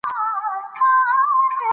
هغه د کورني ژوند توازن ساتي.